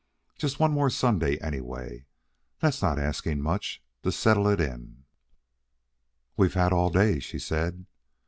Just one more Sunday, anyway that's not asking much to settle it in." "We've had all day," she said.